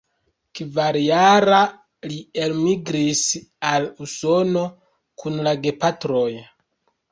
Kvarjara, li elmigris al Usono kun la gepatroj.